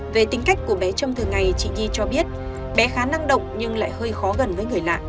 về tính cách của bé châm thường ngày chị nhi cho biết bé khá năng động nhưng lại hơi khó gần với người lạ